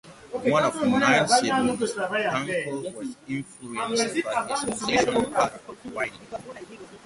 One of nine siblings, Pankow was influenced by his musician father, Wayne.